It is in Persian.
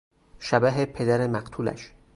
شبح پدر مقتولش